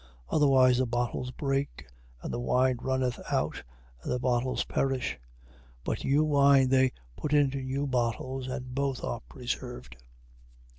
Otherwise the bottles break, and the wine runneth out, and the bottles perish. But new wine they put into new bottles: and both are preserved.